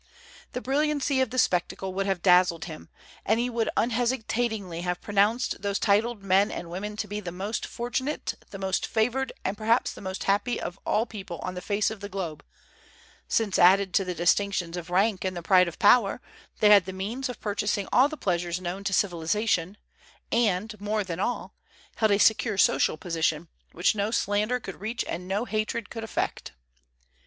The brilliancy of the spectacle would have dazzled him, and he would unhesitatingly have pronounced those titled men and women to be the most fortunate, the most favored, and perhaps the most happy of all people on the face of the globe, since, added to the distinctions of rank and the pride of power, they had the means of purchasing all the pleasures known to civilization, and more than all held a secure social position, which no slander could reach and no hatred could affect.